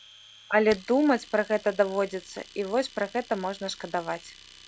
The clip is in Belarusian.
Але думаць пра гэта даводзіцца і вось пра гэта можна шкадаваць.